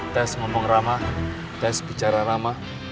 tes ngomong ramah tes bicara ramah